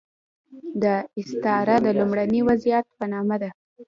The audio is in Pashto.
دا استعاره د لومړني وضعیت په نامه ده.